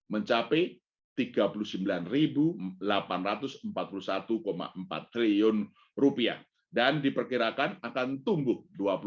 mencapai rp tiga puluh sembilan delapan ratus empat puluh satu empat triliun dan diperkirakan akan tumbuh dua puluh empat delapan puluh tiga